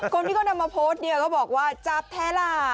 คนที่เขานำมาโพสต์เนี่ยก็บอกว่าจับแท้ล่ะ